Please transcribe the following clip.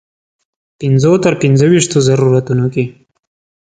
پنځو تر پنځه ویشتو ضرورتونو کې.